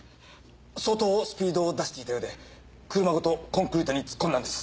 相当スピードを出していたようで車ごとコンクリートに突っ込んだんです。